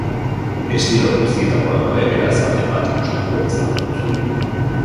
Estilo guztietakoak daude, beraz, baten bat gustuko izango duzu.